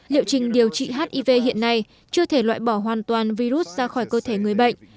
liệu trình điều trị hiv hiện nay chưa thể loại bỏ hoàn toàn virus ra khỏi cơ thể người bệnh